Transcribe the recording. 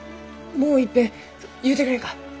もういっぺん言うてくれんか？